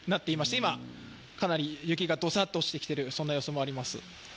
今、かなり雪がどさっと落ちてきている、そんな様子もあります。